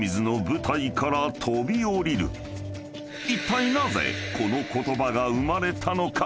［いったいなぜこの言葉が生まれたのか？］